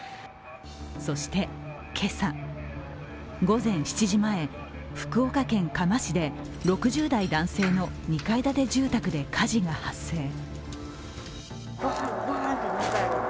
そして今朝、午前７時前福岡県嘉麻市で６０代男性の２階建て住宅で火事が発生。